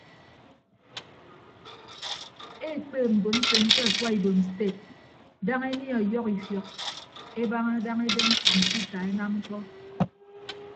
Ekpeep mbon mfen ke akwa ibom sted daña enie ọyọhọ ifiọk ebaña daña eben kọmpiuta enam ñkpọ.